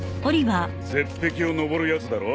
絶壁を登るやつだろ？